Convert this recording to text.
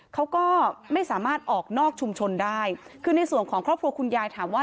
เขาก็ไม่สามารถออกนอกชุมชนได้คือในส่วนของครอบครัวคุณยายถามว่า